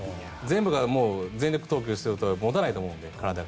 全部が全力投球していると体が持たないと思うので。